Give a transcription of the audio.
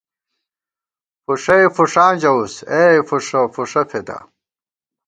فُݭَئے فُݭاں ژَوُس ، اے فُݭہ فُݭہ فېدا